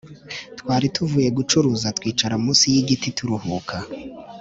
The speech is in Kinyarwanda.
Twari tuvuye gucuruza twicara munsi y’igiti turuhuka.